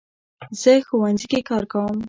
زه ښوونځي کې کار کوم